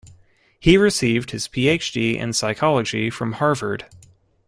He received his Ph.D in Psychology from Harvard.